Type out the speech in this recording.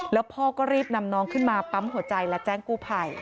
แล้วพ่อก็รีบนำน้องขึ้นมาปั๊มหัวใจและแจ้งกู้ภัย